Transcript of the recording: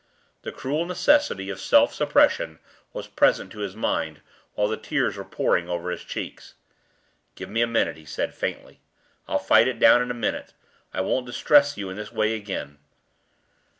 The cruel necessity of self suppression was present to his mind, while the tears were pouring over his cheeks. "Give me a minute," he said, faintly. "I'll fight it down in a minute; I won't distress you in this way again."